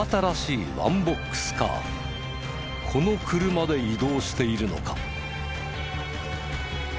この車で移動しているのか？